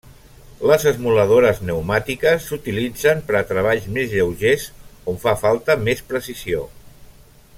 Les esmoladores pneumàtiques s'utilitzen per a treballs més lleugers on fa falta més precisió.